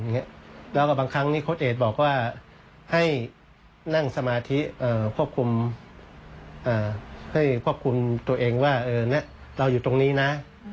แล้วก็บางครั้งนี้โค้ดเอกบอกว่าให้นั่งสมาธิควบคุมให้ควบคุมตัวเองว่าเราอยู่ตรงนี้นะ